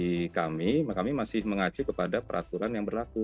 jadi kalau dari sisi kami kami masih mengacu kepada peraturan yang berlaku